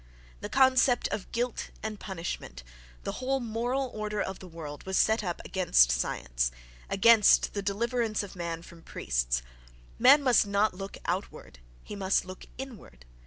The concept of guilt and punishment, the whole "moral order of the world," was set up against science—against the deliverance of man from priests.... Man must not look outward; he must look inward.